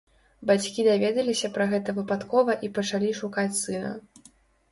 Бацькі даведаліся пра гэта выпадкова і пачалі шукаць сына.